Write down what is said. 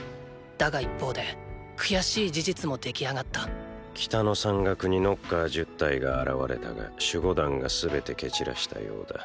だが一方で悔しい事実も出来上がった北の山岳にノッカー１０体が現れたが守護団が全て蹴散らしたようだ。